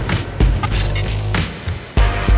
และในค่ำคืนวันนี้แขกรับเชิญที่มาเยี่ยมสักครั้งครับ